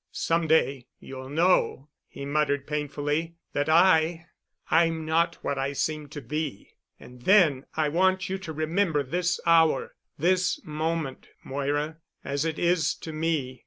"Some day—you'll know," he muttered painfully, "that I—I'm not what I seem to be. And then I want you to remember this hour, this moment, Moira, as it is to me....